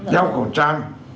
giao khẩu trang